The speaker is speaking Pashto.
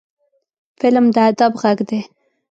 فلم د ادب غږ دی